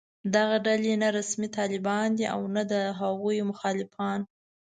دغه ډلې نه رسمي طالبان دي او نه د هغوی مخالفان